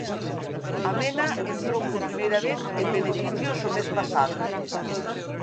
Amena entrou por primera vez en beneficios o mes pasado